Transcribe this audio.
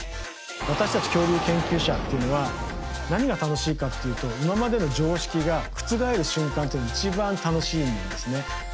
私たち恐竜研究者っていうのは何が楽しいかっていうと今までの常識が覆る瞬間っていうのが一番楽しいんですね。